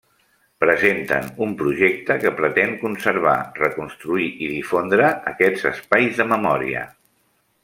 Presenten un projecte que pretén conservar, reconstruir i difondre aquests espais de memòria.